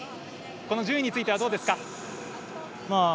この順位についてはどうですか。